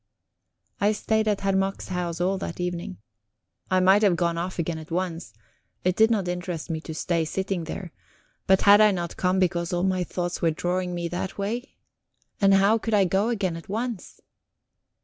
I stayed at Herr Mack's house all that evening. I might have gone off again at once it did not interest me to stay sitting there but had I not come because all my thoughts were drawing me that way? And how could I go again at once?